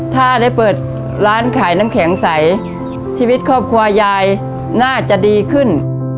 ถ้าได้เปิดร้านขายน้ำแข็งใสชีวิตครอบครัวยายน่าจะดีขึ้น